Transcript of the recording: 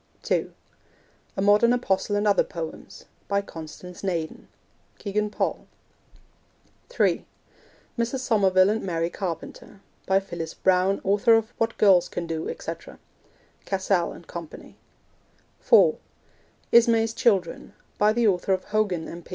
(2) A Modern Apostle and Other Poems. By Constance Naden. (Kegan Paul.) (3) Mrs. Somerville and Mary Carpenter. By Phyllis Browne, Author of What Girls Can Do, etc. (Cassell and Co.) (4) Ismay's Children. By the Author of Hogan, M.P.